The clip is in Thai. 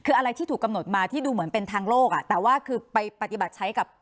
คืออะไรที่ถูกกำหนดมาที่ดูเหมือนเป็นทางโลกอ่ะแต่ว่าคือไปปฏิบัติใช้กับ